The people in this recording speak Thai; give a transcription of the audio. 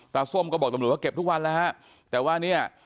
ส้มก็บอกตำรวจว่าเก็บทุกวันแล้วฮะแต่ว่าเนี่ย